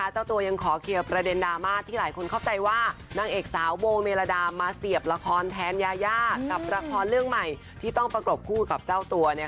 เจ้าตัวยังขอเคลียร์ประเด็นดราม่าที่หลายคนเข้าใจว่านางเอกสาวโบเมลดามาเสียบละครแทนยายากับละครเรื่องใหม่ที่ต้องประกบคู่กับเจ้าตัว